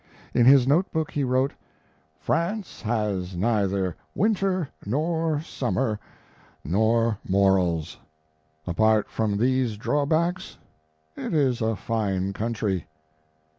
In his note book he wrote: "France has neither winter, nor summer, nor morals. Apart from these drawbacks it is a fine country."